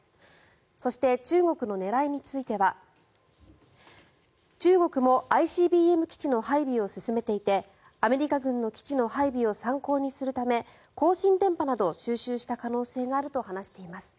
そして、中国の狙いについては中国もＩＣＢＭ基地の配備を進めていてアメリカ軍の基地の配備を参考にするため交信電波など収集した可能性があると話しています。